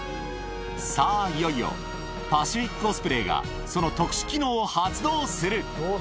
さあ、いよいよ、パシフィック・オスプレイがその特殊機能を発動する。